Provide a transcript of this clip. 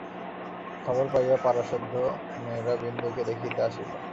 খবর পাইয়া পাড়াসুদ্ধ মেয়েরা বিন্দুকে দেখিতে আসিল।